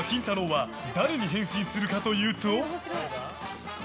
は誰に変身するかというと。